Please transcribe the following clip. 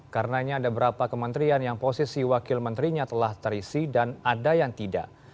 karenanya ada berapa kementerian yang posisi wakil menterinya telah terisi dan ada yang tidak